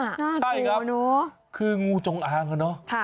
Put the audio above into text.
น่ากลัวเนอะใช่ครับคืองูจงอ่างเหรอเนอะค่ะ